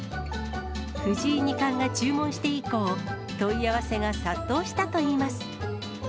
藤井二冠が注文して以降、問い合わせが殺到したといいます。